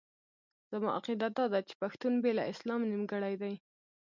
زما عقیده داده چې پښتون بې له اسلام نیمګړی دی.